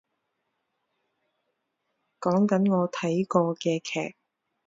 講緊我睇過嘅劇